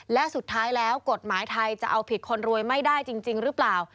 และสุดท้ายแล้วกฎหมายไทยจะเอาผิดคนรวยไม่ได้จริงหรือเปล่า